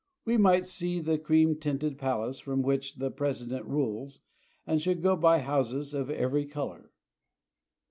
We might see the cream tinted pal ace from which thepresident rules, and should go by houses of every color.